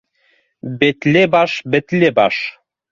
— Бетле баш, бетле баш.